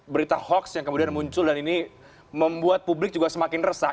berita hoax yang kemudian muncul dan ini membuat publik juga semakin resah